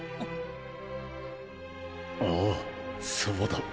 ああそうだ。